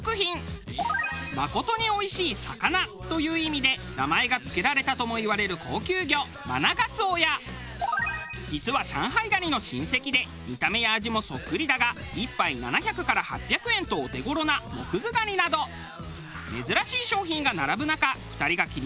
「真」においしい「魚」という意味で名前が付けられたともいわれる高級魚マナガツオや実は上海ガニの親戚で見た目や味もそっくりだが１杯７００から８００円とお手頃なモクズガニなど珍しい商品が並ぶ中。